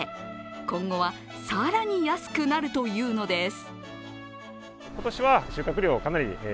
今後は更に安くなるというのです。